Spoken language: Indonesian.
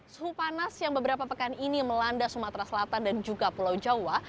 suhu panas yang beberapa pekan ini melanda sumatera selatan dan juga pulau jawa